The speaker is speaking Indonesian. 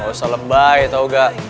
gausah lebay tau ga